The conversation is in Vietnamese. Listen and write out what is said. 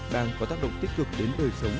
đang có tác động tích cực đến đời sống